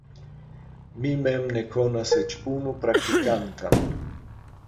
Mi mem ne konas eĉ unu praktikantan.